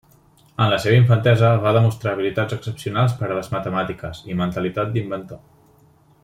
En la seva infantesa va demostrar habilitats excepcionals per a les matemàtiques i mentalitat d'inventor.